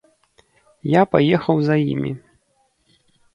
Я паехаў за імі.